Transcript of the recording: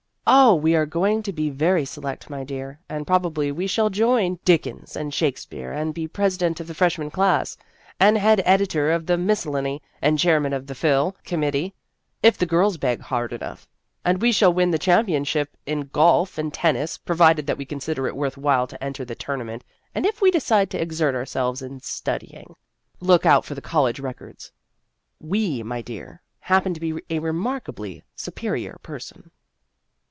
Oh, 1 82 Vassar Studies we are going to be very select, my dear, and probably we shall join ' Dickens ' and ' Shakespeare,' and be president of the freshman class, and head editor of the Miscellany, and chairman of the Phil, com mittee, if the girls beg hard enough, and we shall win the championship in golf and tennis, provided that we consider it worth while to enter the tournament, and if we decide to exert ourself in studying, look out for the college records. We, my dear, happen to be a remarkably superior per son."